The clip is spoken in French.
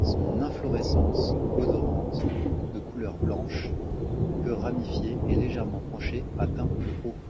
Son inflorescence odorante de couleur blanche, peu ramifiée et légèrement penchée atteint de haut.